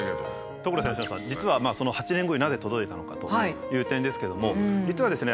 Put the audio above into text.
所さん佳乃さん実は８年後になぜ届いたのかという点ですけども実はですね